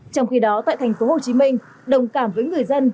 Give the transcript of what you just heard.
trong khi đó tại thành phố hồ chí minh đồng cảm với người dân